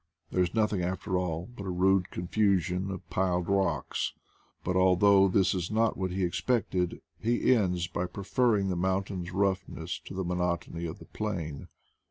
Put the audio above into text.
There is nothing after all but a rude confusion of piled rocks; but although this is not what he expected, he ends by preferring the mountain's roughness to the monotony of the plain.